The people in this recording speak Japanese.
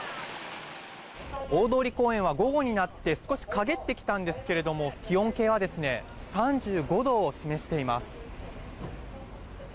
大通公園は午後になって少し陰ってきたんですけれども気温計は３５度を示しています。